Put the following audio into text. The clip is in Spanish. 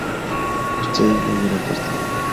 ustedes no hubieron partido